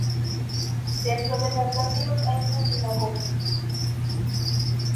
Dentro del rascacielos hay una sinagoga.